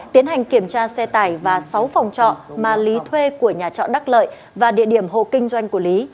tiến hành kiểm tra xe tải và sáu phòng trọ mà lý thuê của nhà trọ đắc lợi và địa điểm hộ kinh doanh của lý